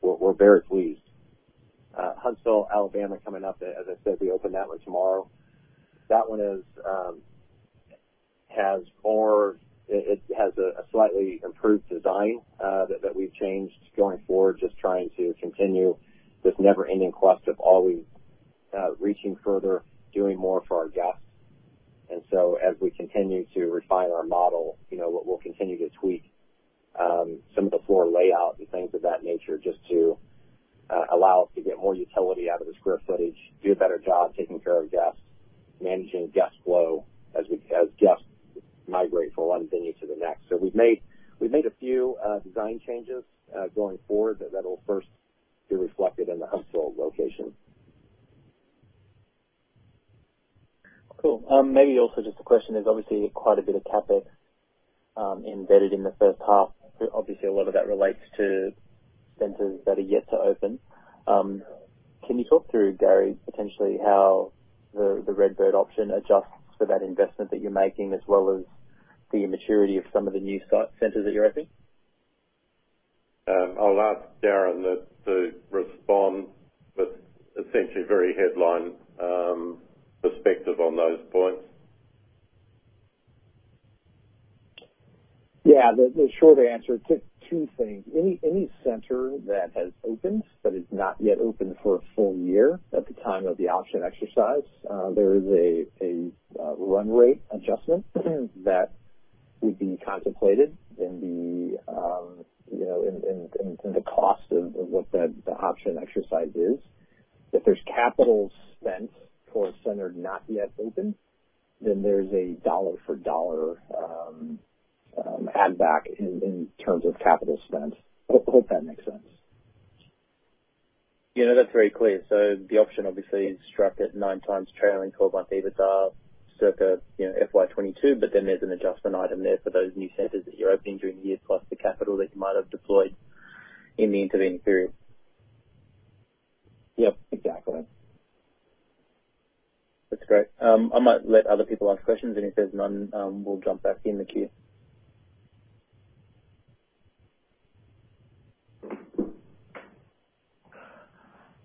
we're very pleased. Huntsville, Alabama, coming up. As I said, we open that one tomorrow. That one has a slightly improved design that we've changed going forward, just trying to continue this never-ending quest of always reaching further, doing more for our guests. As we continue to refine our model, you know, we'll continue to tweak some of the floor layout and things of that nature just to allow us to get more utility out of the square footage, do a better job taking care of guests, managing guest flow as guests migrate from one venue to the next. We've made a few design changes going forward that'll first be reflected in the Huntsville location. Cool. Maybe also just a question. There's obviously quite a bit of CapEx embedded in the first half. Obviously, a lot of that relates to centers that are yet to open. Can you talk through, Gary, potentially how the RedBird option adjusts for that investment that you're making as well as the immaturity of some of the new site centers that you're opening? I'll ask Darin to respond with essentially very headline perspective on those points. Yeah. The short answer, two things. Any center that has opened but is not yet open for a full year at the time of the option exercise, there is a run rate adjustment that would be contemplated in the cost of what the option exercise is. If there's capital spent for a center not yet open, then there's a dollar for dollar add back in terms of capital spent. Hope that makes sense. Yeah, that's very clear. The option obviously is struck at 9x trailing 12-month EBITDA, circa, you know, FY 2022. There's an adjustment item there for those new centers that you're opening during the year, plus the capital that you might have deployed in the intervening period. Yep, exactly. That's great. I might let other people ask questions, and if there's none, we'll jump back in the queue.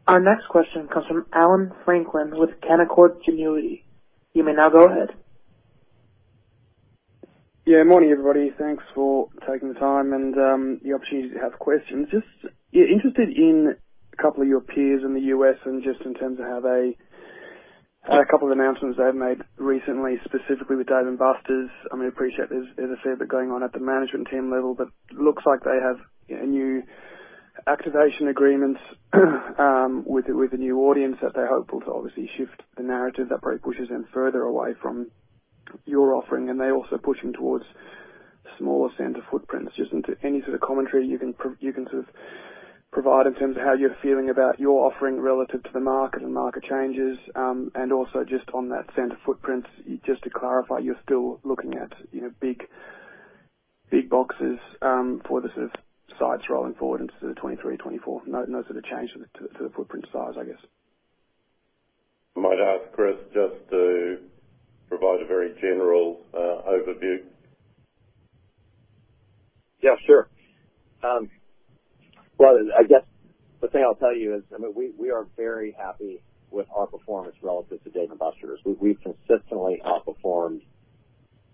Our next question comes from Allan Franklin with Canaccord Genuity. You may now go ahead. Yeah. Morning, everybody. Thanks for taking the time and the opportunity to ask questions. Just yeah interested in a couple of your peers in the U.S. and just in terms of a couple of announcements they have made recently, specifically with Dave & Buster's. I mean, I appreciate there's a fair bit going on at the management team level, but looks like they have you know new activation agreements with the new audience that they're hopeful to obviously shift the narrative that probably pushes them further away from your offering, and they're also pushing towards smaller center footprints. Just any sort of commentary you can sort of provide in terms of how you're feeling about your offering relative to the market and market changes. Also just on that center footprint, just to clarify, you're still looking at, you know, big boxes for the sort of sites rolling forward into the 2023, 2024. No sort of change to the footprint size, I guess. I might ask Chris just to provide a very general overview. Yeah, sure. Well, I guess the thing I'll tell you is, I mean, we are very happy with our performance relative to Dave & Buster's. We've consistently outperformed.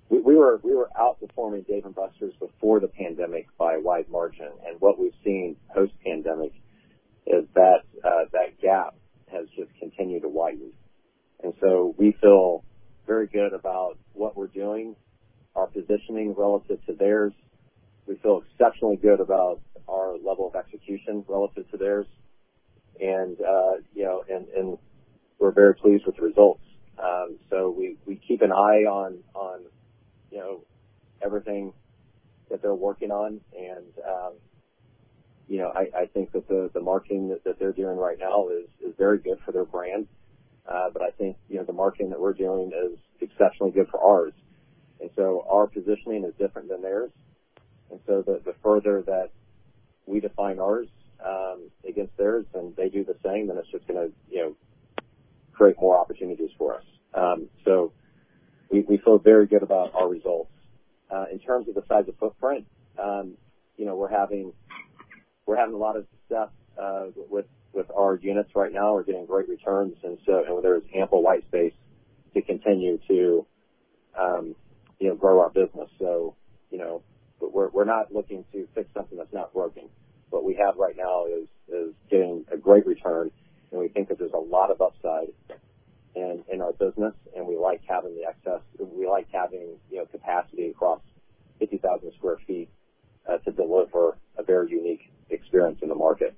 We were outperforming Dave & Buster's before the pandemic by a wide margin. What we've seen post pandemic is that that gap has just continued to widen. We feel very good about what we're doing, our positioning relative to theirs. We feel exceptionally good about our level of execution relative to theirs. You know, and we're very pleased with the results. We keep an eye on you know, everything that they're working on. You know, I think that the marketing that they're doing right now is very good for their brand. I think, you know, the marketing that we're doing is exceptionally good for ours. Our positioning is different than theirs. The further that we define ours against theirs and they do the same, then it's just gonna, you know, create more opportunities for us. We feel very good about our results. In terms of the size of footprint, you know, we're having a lot of success with our units right now. We're getting great returns. You know, there's ample white space to continue to, you know, grow our business. You know, we're not looking to fix something that's not working. What we have right now is getting a great return, and we think that there's a lot of upside in our business, and we like having the excess. We like having, you know, capacity across 50,000 sq ft to deliver a very unique experience in the market.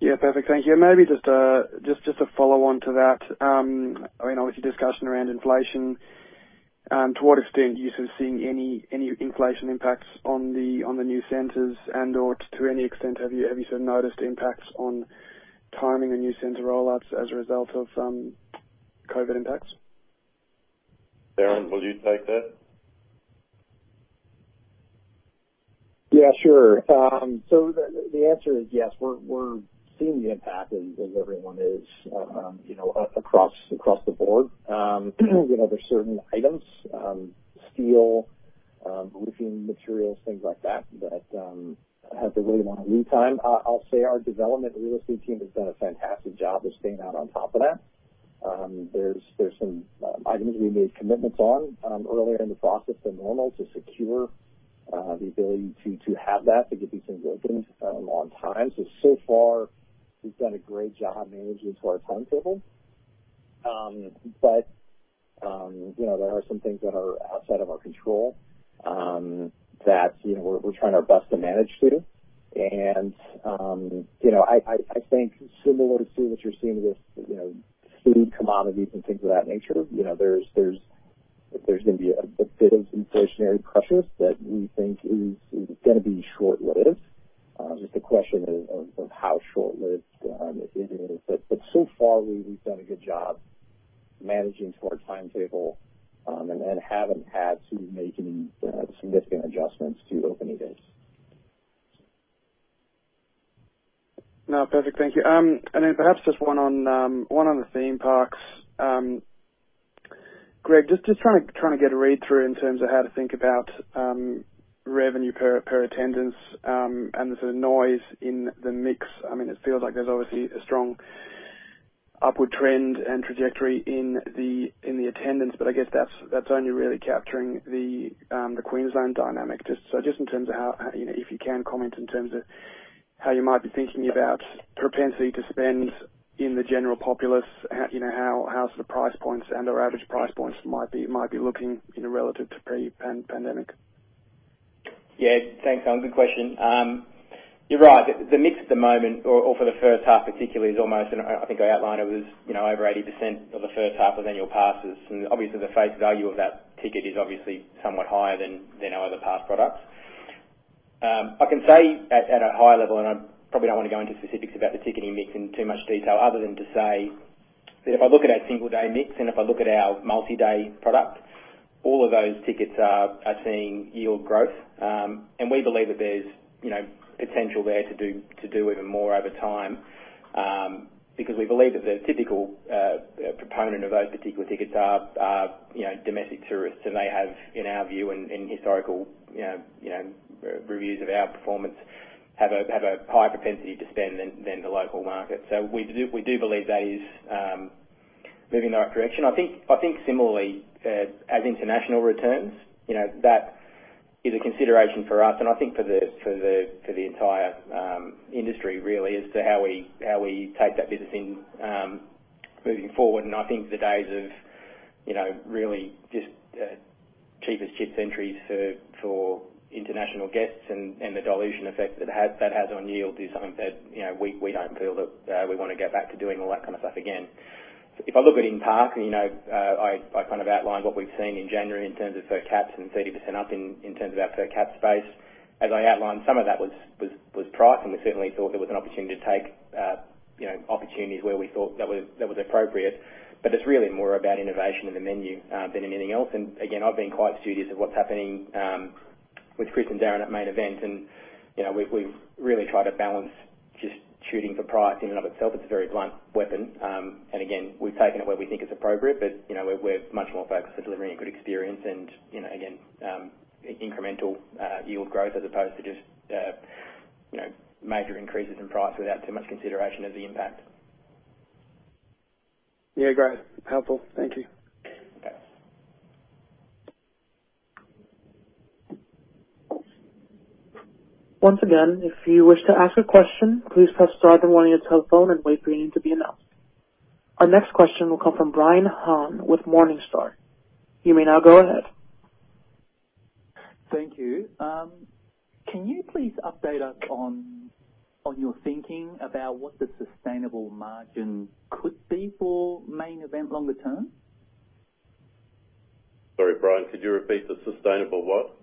Yeah, perfect. Thank you. Maybe just a follow on to that. I know with your discussion around inflation, to what extent are you sort of seeing any inflation impacts on the new centers and/or to any extent, have you noticed impacts on timing the new center rollouts as a result of COVID impacts? Darin, will you take that? Yeah, sure. So the answer is yes. We're seeing the impact as everyone is, you know, across the board. You know, there's certain items, steel, roofing materials, things like that have been really long lead time. I'll say our development real estate team has done a fantastic job of staying on top of that. There's some items we made commitments on earlier in the process than normal to secure the ability to have that, to get these things open on time. So far we've done a great job managing to our timetable. But you know, there are some things that are outside of our control that you know, we're trying our best to manage through. I think similar to what you're seeing with, you know, food, commodities and things of that nature, you know, there's gonna be a bit of inflationary pressures that we think is gonna be short-lived. Just a question of how short-lived it is. So far we've done a good job managing to our timetable and haven't had to make any significant adjustments to opening dates. No, perfect. Thank you. Perhaps just one on the theme parks. Greg, just trying to get a read through in terms of how to think about revenue per attendance and the sort of noise in the mix. I mean, it feels like there's obviously a strong upward trend and trajectory in the attendance, but I guess that's only really capturing the Queensland dynamic. Just in terms of how, you know, if you can comment in terms of how you might be thinking about propensity to spend in the general populace. How, you know, how sort of price points and/or average price points might be looking, you know, relative to pre-pandemic. Yeah. Thanks, Alan. Good question. You're right. The mix at the moment or for the first half particularly is almost, and I think I outlined it was, you know, over 80% of the first half was annual passes. Obviously the face value of that ticket is obviously somewhat higher than our other pass products. I can say at a high level, and I probably don't wanna go into specifics about the ticketing mix in too much detail other than to say that if I look at our single-day mix, and if I look at our multi-day product, all of those tickets are seeing yield growth. We believe that there's, you know, potential there to do even more over time, because we believe that the typical proponent of those particular tickets are domestic tourists, and they have, in our view and historical, you know, reviews of our performance, a higher propensity to spend than the local market. We do believe that is moving in the right direction. I think similarly, as international returns, you know, that is a consideration for us, and I think for the entire industry really as to how we take that business in moving forward. I think the days of, you know, really just cheapest chips entries for international guests and the dilution effect that has on yield is something that, you know, we don't feel that we wanna get back to doing all that kind of stuff again. If I look at in-park, you know, I kind of outlined what we've seen in January in terms of per caps and 30% up in terms of our per cap space. As I outlined, some of that was price, and we certainly thought there was an opportunity to take, you know, opportunities where we thought that was appropriate. It's really more about innovation in the menu than anything else. Again, I've been quite studious of what's happening with Chris and Darren at Main Event. You know, we've really tried to balance just shooting for price in and of itself. It's a very blunt weapon. We've taken it where we think it's appropriate, but you know, we're much more focused on delivering a good experience and, you know, again, incremental yield growth as opposed to just you know, major increases in price without too much consideration of the impact. Yeah, great. Helpful. Thank you. Okay. Once again, if you wish to ask a question, please press star then one on your telephone and wait for your name to be announced. Our next question will come from Brian Han with Morningstar. You may now go ahead. Thank you. Can you please update us on your thinking about what the sustainable margin could be for Main Event longer term? Sorry, Brian, could you repeat? The sustainable what?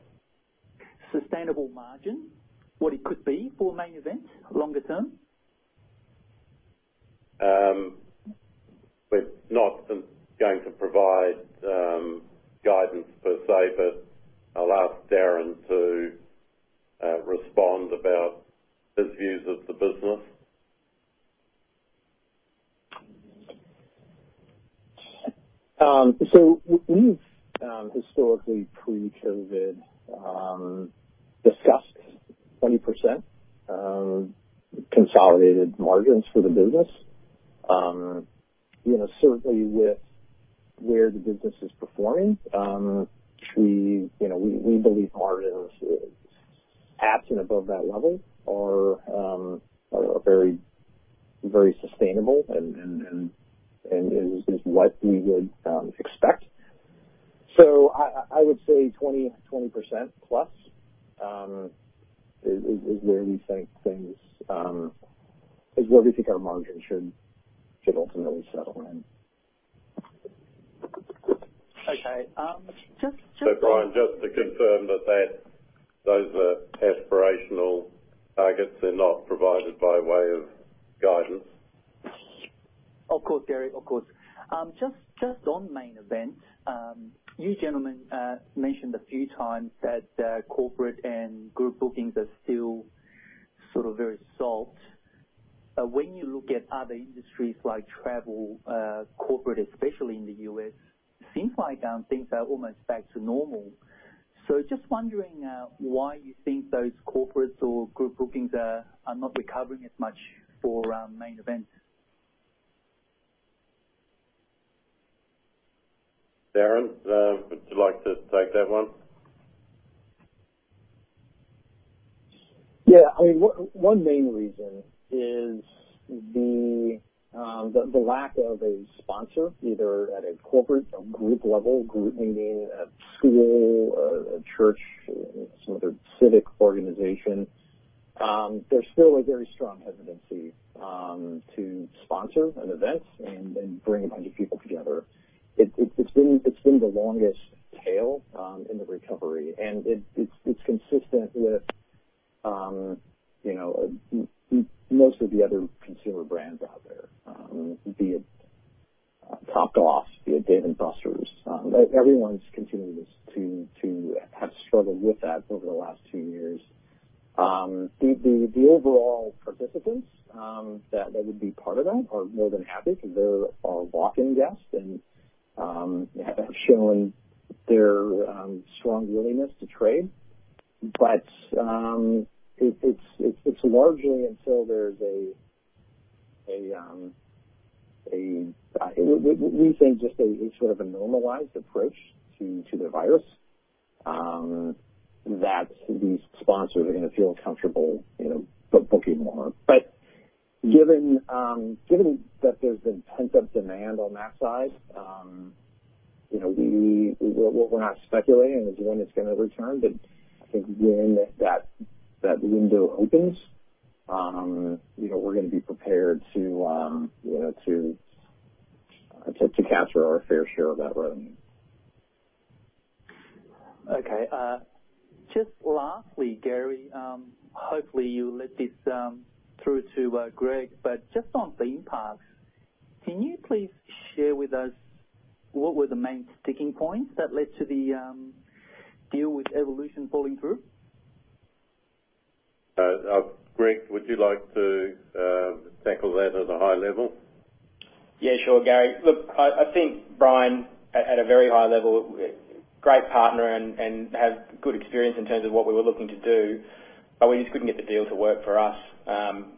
Sustainable margin, what it could be for Main Event longer term? We're not going to provide guidance per se, but I'll ask Darin to respond about his views of the business. We've historically pre-COVID discussed 20% consolidated margins for the business. You know, certainly with where the business is performing, we believe margins at and above that level are very sustainable and is what we would expect. I would say 20% plus is where we think our margin should ultimately settle in. Okay. Just. Brian, just to confirm that those are aspirational targets. They're not provided by way of guidance. Of course, Gary. Of course. Just on Main Event, you gentlemen mentioned a few times that corporate and group bookings are still sort of very soft. When you look at other industries like travel, corporate, especially in the U.S., seems like things are almost back to normal. Just wondering why you think those corporates or group bookings are not recovering as much for Main Event. Darin, would you like to take that one? Yeah, I mean, one main reason is the lack of a sponsor, either at a corporate group level, group meaning a school, a church, some other civic organization. There's still a very strong hesitancy to sponsor an event and bring a bunch of people together. It's been the longest tail in the recovery, and it's consistent with, you know, most of the other consumer brands out there, be it Topgolf, be it Dave & Buster's. Everyone's continuing to have struggled with that over the last two years. The overall participants that would be part of that are more than happy because they're our walk-in guests and have shown their strong willingness to trade. But it's largely until there's a- We think just a sort of normalized approach to the virus that these sponsors are gonna feel comfortable, you know, booking more. Given that there's been pent-up demand on that side, you know, we're not speculating as to when it's gonna return, but I think when that window opens, you know, we're gonna be prepared to capture our fair share of that revenue. Okay. Just lastly, Gary, hopefully you'll let this through to Greg, but just on theme parks, can you please share with us what were the main sticking points that led to the deal with Evolution Group falling through? Greg, would you like to tackle that at a high level? Yeah, sure, Gary. Look, I think Brian at a very high level, great partner and have good experience in terms of what we were looking to do, but we just couldn't get the deal to work for us,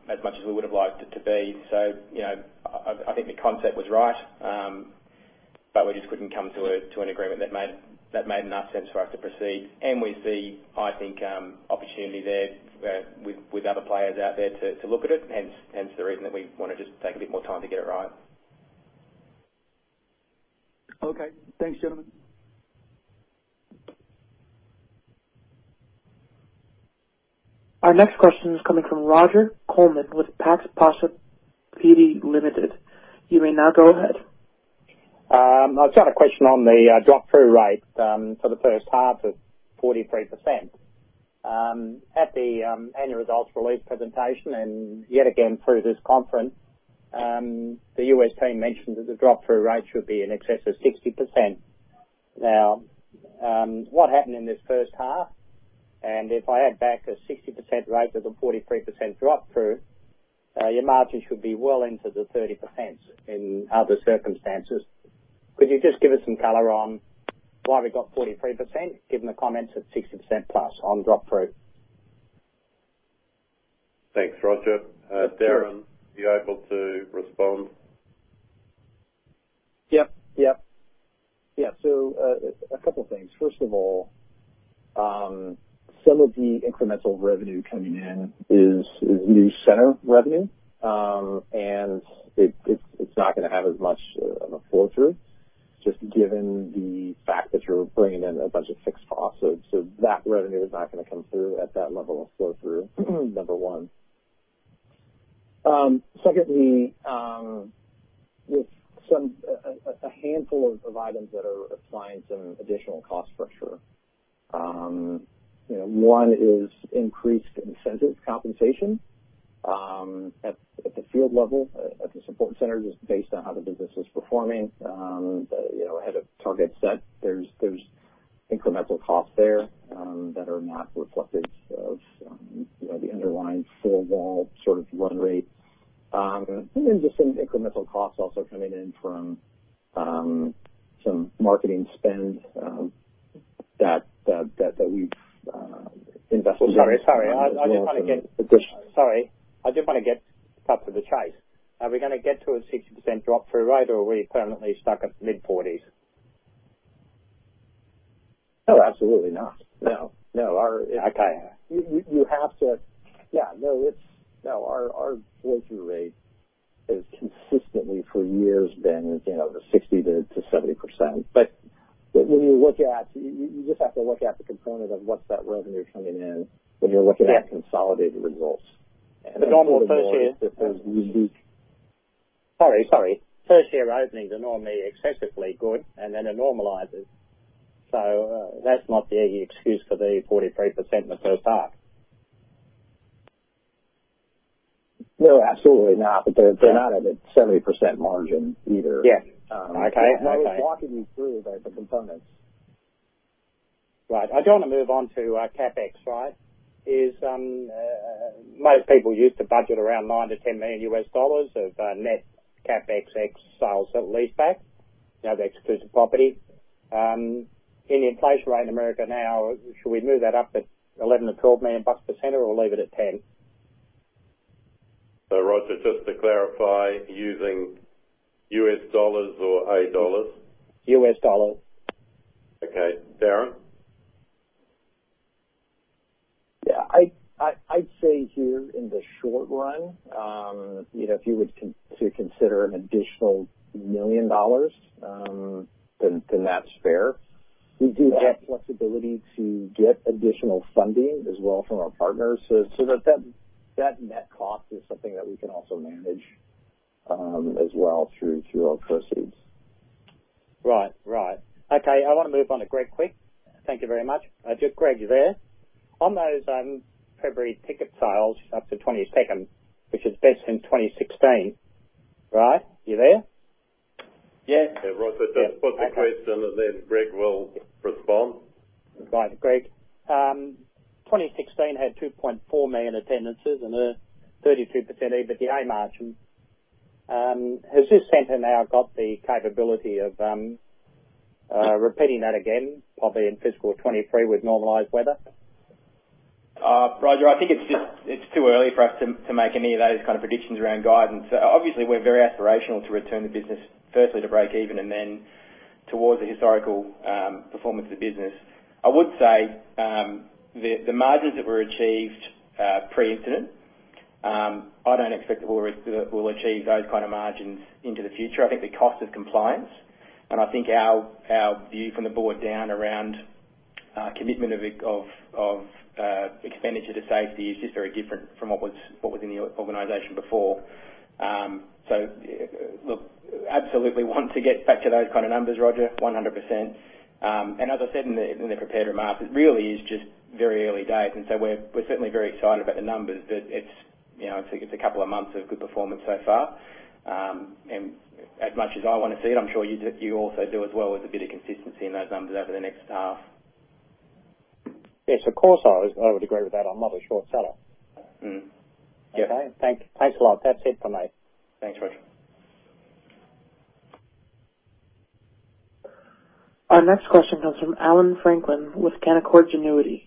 as much as we would've liked it to be. You know, I think the concept was right, but we just couldn't come to an agreement that made enough sense for us to proceed. We see, I think, opportunity there, with other players out there to look at it, hence the reason that we wanna just take a bit more time to get it right. Okay. Thanks, gentlemen. Our next question is coming from Roger Coleman with Pax Participations Limited. You may now go ahead. I've got a question on the flow-through rate for the first half of 43%. At the annual results release presentation, and yet again through this conference, the US team mentioned that the flow-through rate should be in excess of 60%. Now, what happened in this first half? If I add back a 60% rate to the 43% flow-through, your margin should be well into the 30% in other circumstances. Could you just give us some color on why we got 43% given the comments of 60%+ on flow-through? Thanks, Roger. Darin, are you able to respond? Yeah, a couple things. First of all, some of the incremental revenue coming in is new center revenue, and it's not gonna have as much of a flow-through, just given the fact that you're bringing in a bunch of fixed costs. That revenue is not gonna come through at that level of flow-through, number one. Secondly, there's a handful of items that are applying some additional cost pressure. You know, one is increased incentive compensation at the field level, at the support center, just based on how the business is performing. You know, we had a target set. There's incremental costs there that are not reflective of, you know, the underlying full-year sort of run rate. There's some incremental costs also coming in from some marketing spend that we've invested in. Sorry. I just want to get- Additional- Sorry. I just wanna cut to the chase. Are we gonna get to a 60% drop-through rate, or are we permanently stuck at mid-40s%? No, absolutely not. Okay. No, our blow-through rate has consistently for years been, you know, 60%-70%. You just have to look at the component of what's that revenue coming in when you're looking at consolidated results. Normally first year A little more specific. Sorry. First year openings are normally excessively good, and then it normalizes. That's not the excuse for the 43% in the first half. No, absolutely not. They're not at a 70% margin either. Yeah. Okay. Okay. I was walking you through the components. Right. I do wanna move on to CapEx, right? Is most people used to budget around $9 million-$10 million of net CapEx ex sales at leaseback. You know, the exclusive property. In the inflation rate in America now, should we move that up to $11 million-$12 million per center or leave it at $10 million? Roger, just to clarify, using U.S. dollars or AUD? U.S. dollars. Okay. Darren? Yeah. I'd say here in the short run, you know, if you were to consider additional 1 million dollars, then that's fair. We do have flexibility to get additional funding as well from our partners. That net cost is something that we can also manage as well through our proceeds. Right. Okay, I wanna move on to Greg, quick. Thank you very much. Greg, you there? On those February ticket sales up to 22nd, which is best in 2016, right? You there? Yes. Yeah, Roger, just put the question and then Greg will respond. Right. Greg, 2016 had 2.4 million attendances and a 32% EBITDA margin. Has this center now got the capability of repeating that again, probably in FY 2023 with normalized weather? Roger, I think it's just too early for us to make any of those kind of predictions around guidance. Obviously, we're very aspirational to return the business, firstly, to break even and then towards the historical performance of the business. I would say, the margins that were achieved pre-incident, I don't expect that we'll achieve those kind of margins into the future. I think the cost of compliance, and I think our view from the board down around commitment of expenditure to safety is just very different from what was in the organization before. Look, absolutely want to get back to those kind of numbers, Roger, 100%. As I said in the prepared remarks, it really is just very early days, and so we're certainly very excited about the numbers, but it's, you know, it's a couple of months of good performance so far. As much as I wanna see it, I'm sure you also do as well with a bit of consistency in those numbers over the next half. Yes, of course I would agree with that. I'm not a short seller. Okay. Thanks. Thanks a lot. That's it from me. Thanks, Roger. Our next question comes from Allan Franklin with Canaccord Genuity.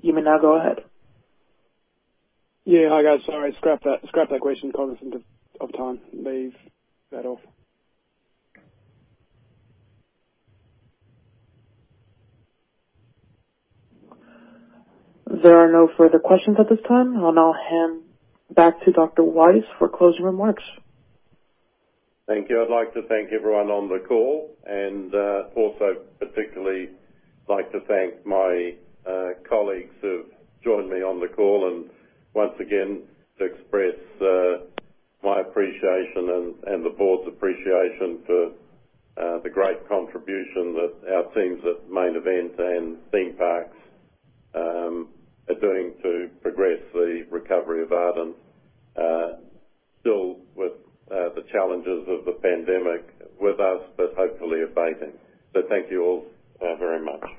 You may now go ahead. Yeah, hi, guys. Sorry, scrap that question. Call this into uptime. Leave that off. There are no further questions at this time. I'll now hand back to Dr. Weiss for closing remarks. Thank you. I'd like to thank everyone on the call, and also particularly like to thank my colleagues who've joined me on the call, and once again to express my appreciation and the board's appreciation for the great contribution that our teams at Main Event and Theme Parks are doing to progress the recovery of Ardent. Still with the challenges of the pandemic with us, but hopefully abating. Thank you all, very much.